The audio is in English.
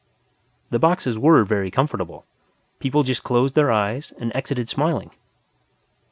The boxes were very comfortable. People just closed their eyes and exited smiling.